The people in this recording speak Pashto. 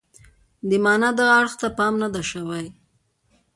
د معنا دغه اړخ ته پام نه دی شوی.